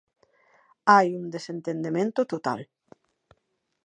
Hai un desentendemento total.